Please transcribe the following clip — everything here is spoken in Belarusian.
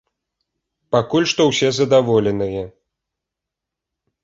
Пакуль што ўсё задаволеныя.